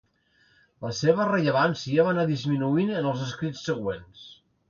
La seva rellevància va anar disminuint en els escrits següents.